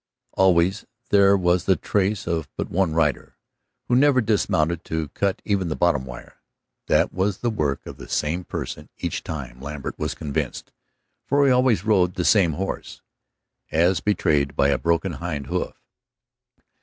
Always there was the trace of but one rider, who never dismounted to cut even the bottom wire. That it was the work of the same person each time Lambert was convinced, for he always rode the same horse, as betrayed by a broken hind hoof.